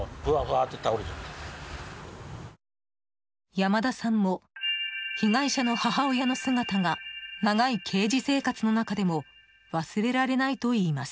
山田さんも被害者の母親の姿が長い刑事生活の中でも忘れられないといいます。